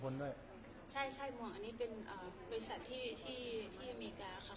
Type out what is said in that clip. ทุติยังปิตพุทธธาเป็นที่พึ่ง